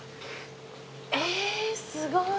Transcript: えすごい。